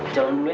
jalan dulu ya